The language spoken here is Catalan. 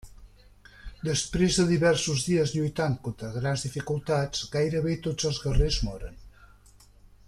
Després de diversos dies lluitant contra grans dificultats, gairebé tots els guerrers moren.